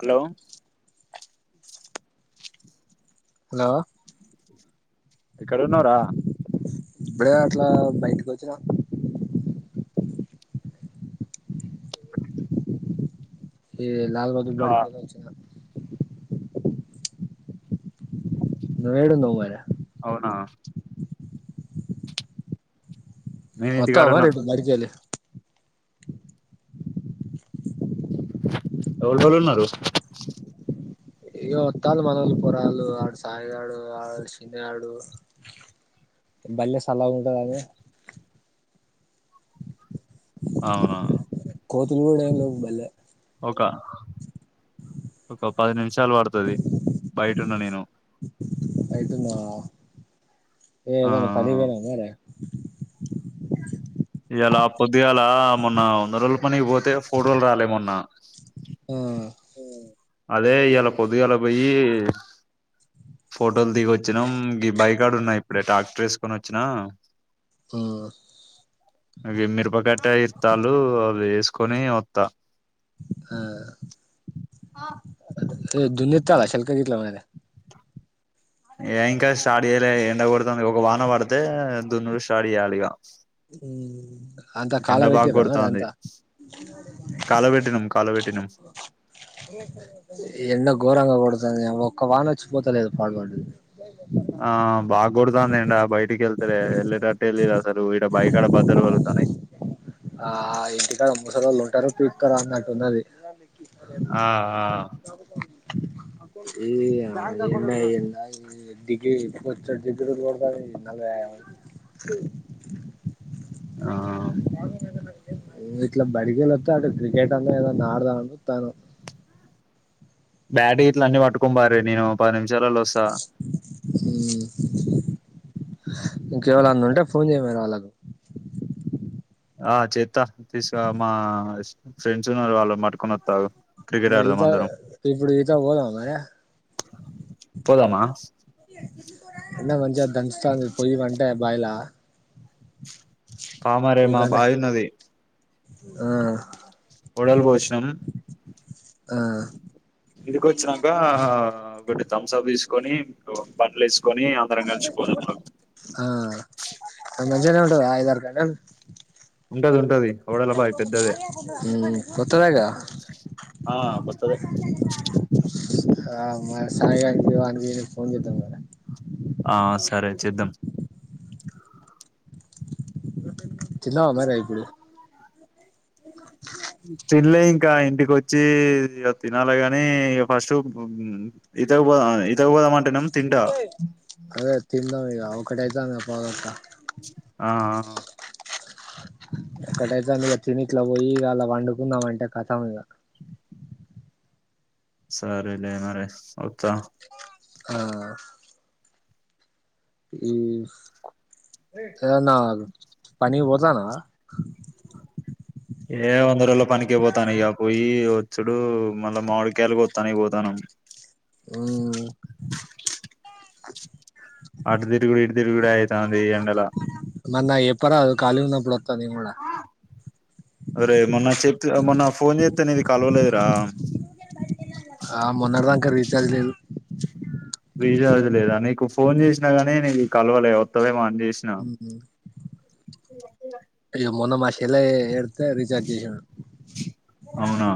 Hello hello అక్కడనూరా ఇప్పుడే అట్లా బయటికి వచ్చినా ఏ ల్ రోజ బడిగచ్చ ను ఏడు నవార అవునా నేను వత్త అ మ ఇంటికాడున్నా రెడ్ మడికాల ఎవ లే వ ఉన్నారు ఇగావత్తాలు మనలు పొరాళ్ళలు ఆడ సాయిగాడు ఆడ చిన్నగాడు బల్లేస్ అలా ఉంటాదని అవును కోతులు కూడాడ ఏ బల్ల ఒక పది చాల పడుతుది బయటన్న నేను ఆయితున్నా ఏ ఆ ఇదొ పనికి పోయినా అ ఇయ్యల ఓక ఎలాపో పొడుగల మొన్న వంద రలు మనకి పోతే ఫోటోలు రాలేమన్నా ఆ అదే ఇవాలా పొద్దుగా అలా పోయి ఫోటోలు దిగిొచ్చినాం బైకాడు ఉన్నా ఇప్పుడే ట్రాక్టర్ వేసుకొని వచ్చినా ఆ అగే మీరుపాకా బట్ట ఇతాలు అవి వేసుకొని వస్తా ద చలా శల్కాలా ఉ ఏ ఇంకా స్టార్ట్ చేయలే ఎండ కూర్త ఒక వాన పడితే దున్న స్టార్ట్ చేయాలి ఇక అంతా కాళ బాగా పెట్ద కొడుతుంది అంత కాలబెట్టినం కాలబెట్టినం ఎన్న గోరంగా పడుతుంది ఒక వాన వచ్చిపోతలేదు పాడు పడ్డది. ఆ బాగ్ గొడతాంది ఎండా బయటికి ఎళ్తలే యేళ్ళే టట్టే లేద్ అసలూ ఈడ బాయికాడ బద్దలు పగులుతానై. ఆ ఇంటికాడ ముసలోళ్ళు ఉంటరో పీక్తరో అన్నట్టు ఉన్నది. ఇ ఆ ఆ ఈ అవ్ ఎందా ఎండా డిగ్రీ బొచ్చెడు డిగ్రీలు ఉన్నది నలభై ఆరు. ఆ ఇట్లా బడి కెళ్ళి ఒత్తాంటె క్రికెట్ అన్నా ఏదన్నా ఆడదాం అని చూతాన్నాం బ్యాట్ గిట్ల అన్నీ పట్టుకోమ్ పార్రి నేను పది నిమిషాలలో వస్త్ స్తా ఇంకెవళన్న ఉంటే ఫోన్ చేయి మరి వాళ్ళకు. ఆ చేత్తా తీసుకురా మా ఫ్రెండ్స్ ఉన్నరు వాళ్ళనీ పట్టుకొని వత్తా ఆగు క్రికెట్ మరి ఆడదాం ఈత అందరం ఇప్పుడు ఈతక్ పోదామ మరీ, పోదామా ఎండ మంచిగ దంచు తాంది. పొయి పంటా బాయిలా పా మరి ఓ మా గంట బాయున్నది. ఆ ఒడల్ పోశినం. ఆ ఇంటికి వచ్చినాంకా ఒకటి థమ్స్ అప్ తీసుకొనీ. అవో బట్టల్ ఏస్ ఆ మంచిగనే ఉంటదా ఐదారు గంటల్ ఉంటది ఉంటది ఓడల బాయి పెద్దదే. మ్మ్ కొత్తదేగా ఆ కొత్తదే. ఆ మా సాయిగానికి వానికి వీనికి ఫోన్ చేద్దాం రా రా ఆ సరే చేద్దాం తిన్నావా మరే ఇపుడు తిన్లే ఇంకా ఇంటికి వచ్చీ ఇగ తినాలే గానీ ఇగ ఫస్ట్ ఈతక్ పోదాం ఈతకు పోదాం అం అదే తిందాం ఇగ ఒకటైతాంది గా పావుతక్వా ఆ ఒకటైతాందిగ తిని ఇట్ల పోయి ఇగ అల్ల పండుకున్నాం అంతే ఖతమ్ ఇగ సరే లే మరి వత్తా ఆ ఈ ఎ నాగ పని పోదానా ఏ వంద రలో పనినికిే పోతాను ఇక పోయి చుడు మళ్ళా మామిడికాయలుకి వస్తానికి పోతాను మ్మ్ అడ్దిి కూడా ఇదిిరుగు కూడా అవుతే ఉంది లా మ ఎపరా ఖాి ఉప్పుడు ని కూడా కూడా అరే మొన్న చెప్ మొన్న ఫోన్ చేస్తాను ఇది కలవలేదురా క్క రజల్ద విజజ లేదా నీకు ఫోన్ చేసినా గానీ నీ కలవలే వత్తలే మా హ అయ్యో మొన్న మాసలా ఎతే రీచార్జ్ చేస అవునా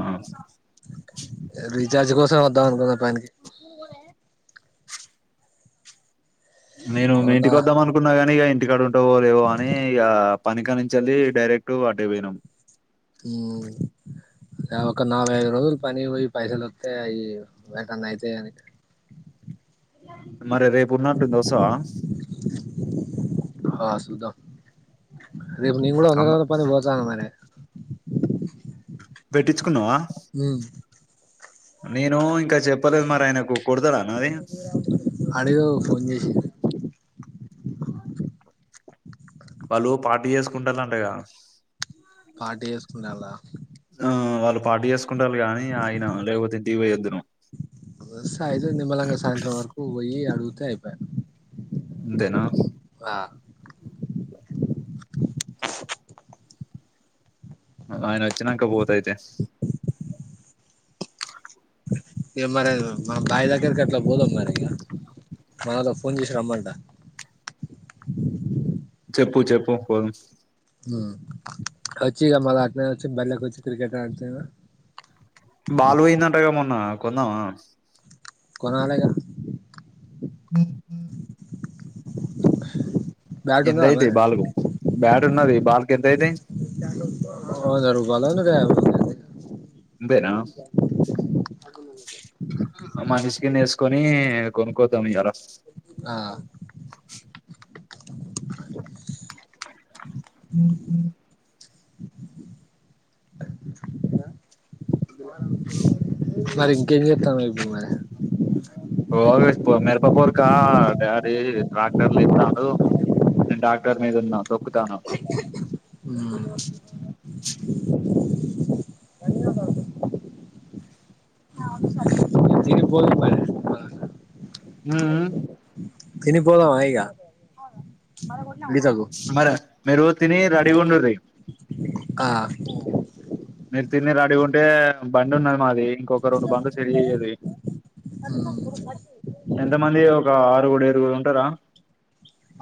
దానుకుంద పనికి నేను అవునా ఇంటికి వద్దాం అనుకున్నా కాగానీ ఇక [inaudible] ో లే ఏవో అ పనికానించిల్లి డైరెక్ట్ వాటే పోయినాం అ ఒక నభై ఐదు రోజులు పని పోయి పైసలుొస్తా అవి వేంటన్నా అయితాయి అని మరి రేపు ఉన్నట్ దోసా హా సధా అది కూడా అమ్మ వందంద పన్న పోా అ మార పెట్టించుకున్నావా హ నేను ఇంకా చెప్ప పల మారాజణ కుకుడధడానాది అడుగు ఫోన్ చేసి వాళ్ళు పార్టీ చేసుకుంటారు అంటేగా పటీ చేసుకుంటలా పార్టీఎస్ కుంటారు కానీ అయిన లేకపోతే దివ ఎద్దును వస్తే సేప అంతేనా ఆ అ ఆయన వచ్చాక పోతయితే ఇక మరి మన బావి దగ్గరికి అట్లా పోదాం మరి ఇక మనతో ఫోన్ చేసి రమ్మంట చెప్పు చెప్పు పోదు వచ్చిక మ ఆ వచ్చి బళకి వచ్చి క్రికెట్ ఆడితే కొందం కొన్నలి ఇగా [unintelligible] బ్యాట్ ఉందా ఎంతయితే మరి బాలకు బ్యాట్ ఉన్నది బాలకి ఎంతయిత వంద [unintelligible] అంతేనా మనిషికి ఇంత వేసుకొని కొనుక్కొని వస్తాం ఇవాళ ఆ [unintelligible] [unintelligible] [unintelligible] మరి ఇంకేం చెప్తాం [unintelligible] మేరపపోరుక డాడీ ట్రాక్టర్లు ఇస్తాను నేను ట్రాక్టర్ మీద ఉన్నాను తొక్కుతాను ఆ [unintelligible] తిని పొదువు మరి హ తిని పోదవా ఇగా మరి మేరువు తిని రెడీ గా ఉండురీ ఆ మీరు తిని రెడీ గా ఉంటే బండి ఉన్నది మాది ఇంకొక రెండు బం సరి అయ్యేది ఎంతమంది ఒక ఆరు కూడా ఉంటారా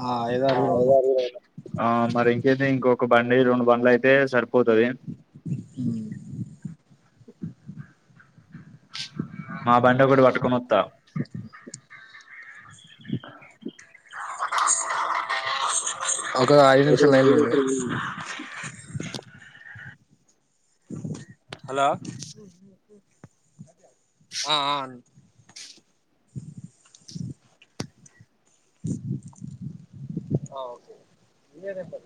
ఆ ఏదో అడుగుదాం ఆ మరి ఇంకైతే ఇంకొక ఒక బండి రెండు బండ్లు అయితే సరిపోతాది అ మా బండి ఒకటి పట్టుకని వస్తా [unintelligible] ఒక ఐదు నిమిషాలు లైన్ ఉండండి హలో ఆ అవును ఓకే [unintelligible]